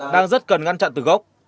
đang rất cần ngăn chặn từ gốc